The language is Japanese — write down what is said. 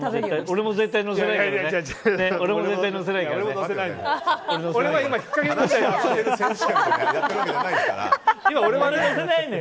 俺も絶対のせないけどね。